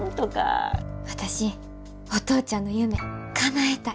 私お父ちゃんの夢かなえたい。